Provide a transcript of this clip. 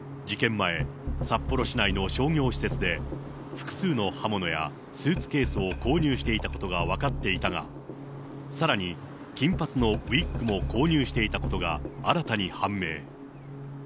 複数の刃物やスーツケースを購入していたことが分かっていたが、さらに金髪のウィッグも購入していたことが新たに判明。